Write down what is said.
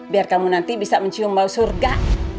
biar kamu nanti bisa mencium bau surga